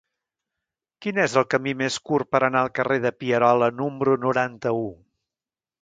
Quin és el camí més curt per anar al carrer de Pierola número noranta-u?